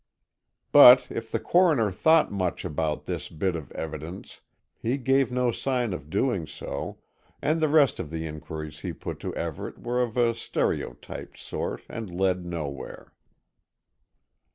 But if the Coroner thought much about this bit of evidence he gave no sign of doing so, and the rest of the inquiries he put to Everett were of a stereotyped sort and led nowhere.